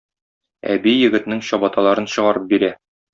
Әби егетнең чабаталарын чыгарып бирә.